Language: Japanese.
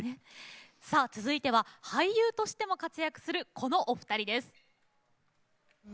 続いては俳優としても活躍するこのお二人です。